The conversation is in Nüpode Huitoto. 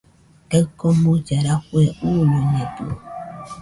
Kaɨ komuilla rafue uñoñedɨo